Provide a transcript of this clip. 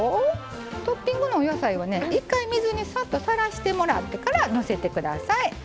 トッピングのお野菜は一回、水にさっと、さらしてもらってからのせてください。